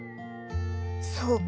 そうか。